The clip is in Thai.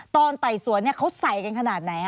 ไต่สวนเขาใส่กันขนาดไหน